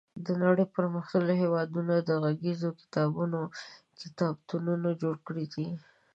د نړۍ پرمختللي هېوادونو د غږیزو کتابونو کتابتونونه جوړ کړي دي.